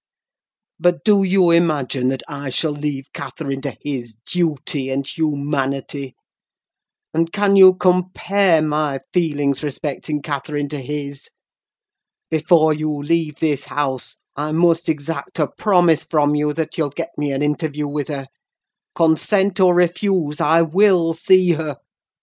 But do you imagine that I shall leave Catherine to his duty and humanity? and can you compare my feelings respecting Catherine to his? Before you leave this house, I must exact a promise from you that you'll get me an interview with her: consent, or refuse, I will see her!